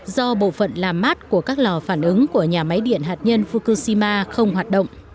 do bộ phận làm mát của các lò phản ứng của nhà máy điện hạt nhân fukushima không hoạt động